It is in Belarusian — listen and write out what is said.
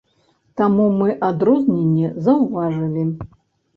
Таму мы адрозненне заўважылі.